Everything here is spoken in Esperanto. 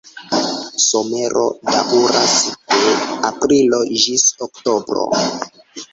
Somero daŭras de aprilo ĝis oktobro.